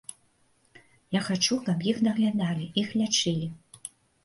Я хачу, каб іх даглядалі, іх лячылі.